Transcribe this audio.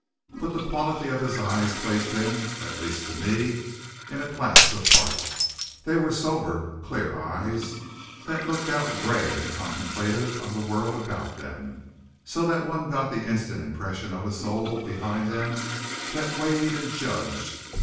But the quality of his eyes placed him, at least to me, in a class apart. They were sober, clear eyes, that looked out gray and contemplative on the world about them; so that one got the instant impression of a soul behind them that weighed and judged.